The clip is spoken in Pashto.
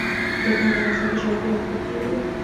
چرګان د افغانستان د جغرافیایي موقیعت پایله ده.